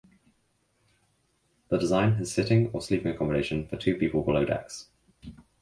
The design has sitting or sleeping accommodation for two people below decks.